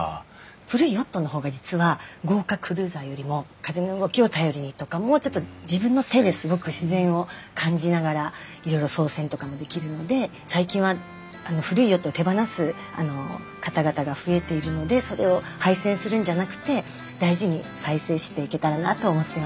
古いヨットの方が実は豪華クルーザーよりも風の動きを頼りにとかもうちょっと自分の手ですごく自然を感じながらいろいろ操船とかもできるので最近は古いヨットを手放す方々が増えているのでそれを廃船するんじゃなくて大事に再生していけたらなと思っています。